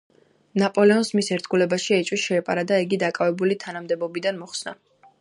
ნაპოლეონს მის ერთგულებაში ეჭვი შეეპარა და იგი დაკავებული თანამდებობებიდან მოხსნა.